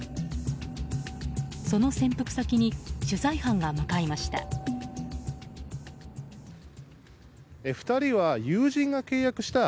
その潜伏先に取材班が向かいました。